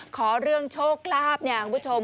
ขอเรื่องโชคลาภเนี่ยคุณผู้ชม